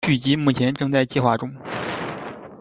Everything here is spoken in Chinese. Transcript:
续集目前正在计划中。